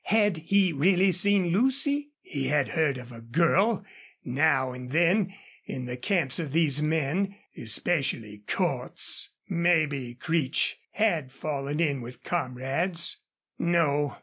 Had he really seen Lucy? He had heard of a girl now and then in the camps of these men, especially Cordts. Maybe Creech had fallen in with comrades.